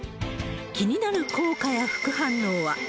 気になる効果や副反応は。